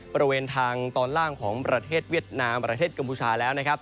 บริเวณทางตอนล่างของประเทศเวียดนามประเทศกัมพูชาแล้วนะครับ